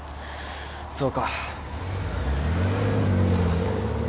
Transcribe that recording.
そうか。